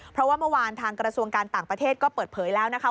เพราะว่าเมื่อวานทางกระทรวงการต่างประเทศก็เปิดเผยแล้วนะคะ